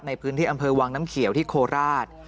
ในพื้นที่อำเภอวังน้ำเขียวที่โคราช